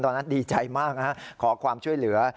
ตอนนั้นดีใจมากนะฮะขอความช่วยเหลือ